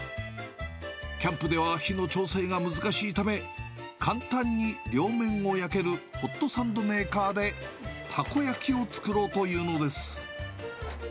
キャンプでは火の調整が難しいため、簡単に両面を焼けるホットサンドメーカーで、たこ焼きを作ろうというのです。